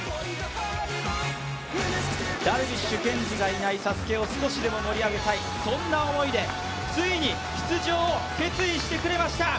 樽美酒研二がいないＳＡＳＵＫＥを少しでも盛り上げたい、そんな思いでついに出場を決意してくれました。